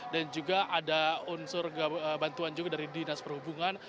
dan juga ada unsur bantuan juga dari dinas perhubungan